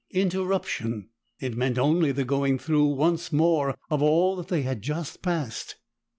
Interruption! It meant only the going through once more of all that they had just passed.